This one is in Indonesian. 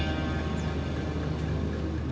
tidak ada yang bisa dihukum